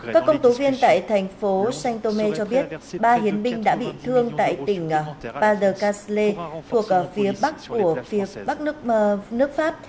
các công tố viên tại thành phố saint thomé cho biết ba hiến binh đã bị thương tại tỉnh pas de casle thuộc phía bắc của phía bắc nước pháp